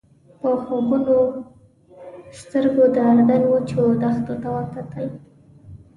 په خوبولو سترګو مې د اردن وچو دښتو ته وکتل.